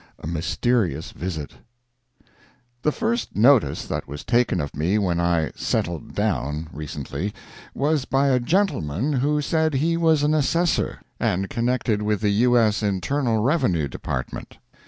A MYSTERIOUS VISIT The first notice that was taken of me when I "settled down" recently was by a gentleman who said he was an assessor, and connected with the U. S. Internal Revenue Department.